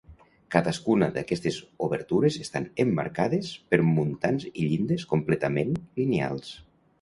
Cadascuna d'aquestes obertures estan emmarcades per muntants i llindes completament lineals.